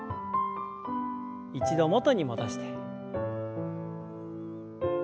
一度元に戻して。